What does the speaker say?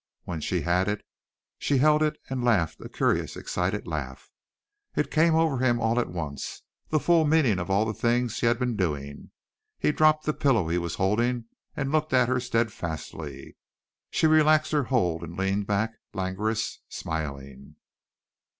When she had it she held it and laughed a curious excited laugh. It came over him all at once, the full meaning of all the things she had been doing. He dropped the pillow he was holding and looked at her steadfastly. She relaxed her hold and leaned back, languorous, smiling.